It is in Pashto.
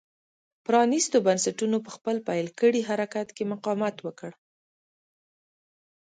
پرانېستو بنسټونو په خپل پیل کړي حرکت کې مقاومت وکړ.